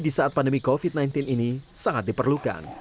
di saat pandemi covid sembilan belas ini sangat diperlukan